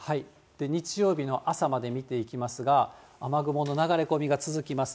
日曜日の朝まで見ていきますが、雨雲の流れ込みが続きます。